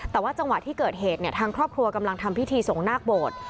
แต่ว่าจังหวะที่เกิดเหตุเนี่ยทางครอบครัวกำลังทำพิธีส่งนาคโบสถ์